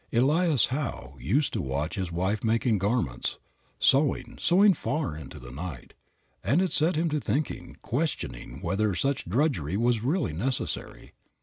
Elias Howe used to watch his wife making garments, sewing, sewing far into the night, and it set him thinking, questioning whether such drudgery was really necessary.